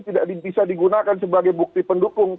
tidak bisa digunakan sebagai bukti pendukung